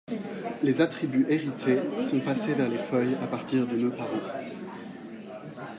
Les attributs hérités sont passés vers les feuilles à partir des nœuds parents.